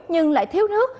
nhưng lại thiếu nước